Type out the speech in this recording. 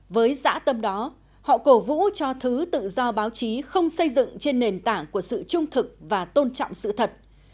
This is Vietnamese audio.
với giã tâm đó họ cổ vũ cho thứ tự do báo chí không xây dựng trên nền tảng của sự trung thực và tôn trọng sự thật